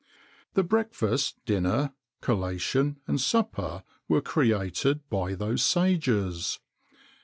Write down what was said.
The breakfast, dinner, collation, and supper were created by those sages.